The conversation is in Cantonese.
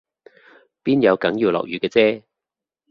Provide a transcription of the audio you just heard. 邊有梗要落雨嘅啫？